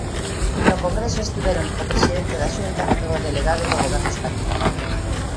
No congreso estiveron o presidente da Xunta e o delegado do Goberno español.